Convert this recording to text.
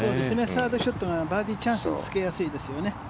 サードショットがバーディーチャンスにつけやすいですよね。